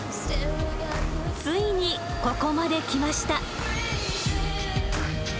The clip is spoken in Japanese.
ついにここまできました。